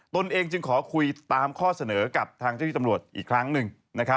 ตนเองจึงขอคุยตามข้อเสนอกับทางเจ้าที่ตำรวจอีกครั้งหนึ่ง